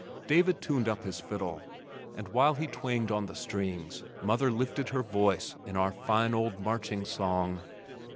David tuned up his fiddle and while he twanged on the strings mother lifted her voice in our fine old marching song.